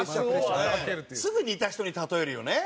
山崎：すぐ似た人に例えるよね。